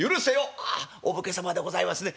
「ああお武家様でございますね。